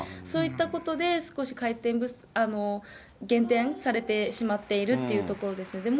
そういったことで、少し減点されてしまっているというところですね。